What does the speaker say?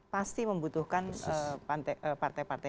pasti membutuhkan partai partai